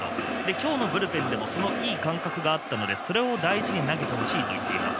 今日のブルペンでもそのいい感覚があったので、それを大事に投げてほしいと言っています。